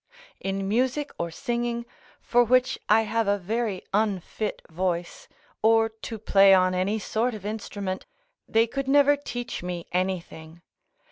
In music or singing, for which I have a very unfit voice, or to play on any sort of instrument, they could never teach me anything.